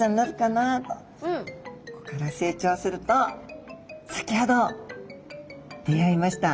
ここから成長すると先ほど出会いました